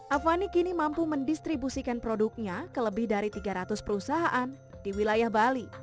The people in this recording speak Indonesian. avani kini mampu mendistribusikan produknya ke lebih dari tiga ratus perusahaan di wilayah bali